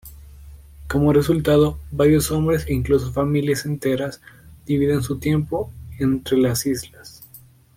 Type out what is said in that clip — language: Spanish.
Como resultado, varios hombres, e incluso familias enteras, dividen su tiempo entre las islas.